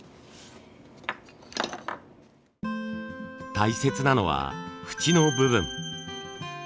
大切なのは縁の部分。